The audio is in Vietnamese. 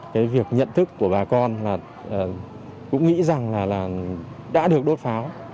cái việc nhận thức của bà con là cũng nghĩ rằng là đã được đốt pháo